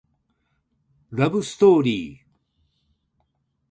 ラブストーリー